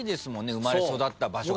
生まれ育った場所から。